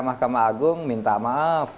mahkamah agung minta maaf